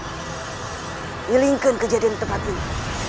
bilingkan kejadian tepat ini